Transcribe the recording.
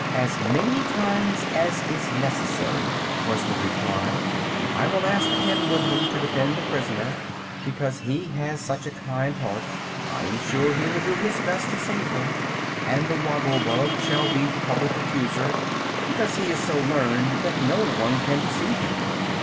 "As many times as is necessary," was the reply. "I will ask the Tin Woodman to defend the prisoner, because he has such a kind heart I am sure he will do his best to save her. And the Woggle Bug shall be the Public Accuser, because he is so learned that no one can deceive him."